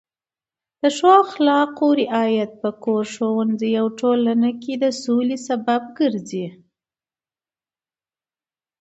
د ښو اخلاقو رعایت په کور، ښوونځي او ټولنه کې د سولې سبب ګرځي.